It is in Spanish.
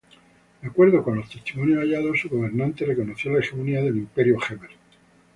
De acuerdo con los testimonios hallados, su gobernante reconoció la hegemonía del Imperio jemer.